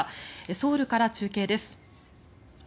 ソウルから中継です。